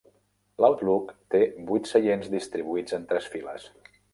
L'Outlook té vuit seients distribuïts en tres files.